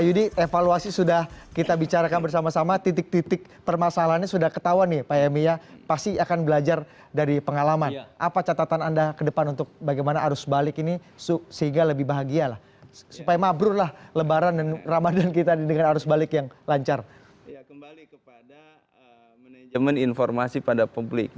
ya kembali kepada manajemen informasi pada publik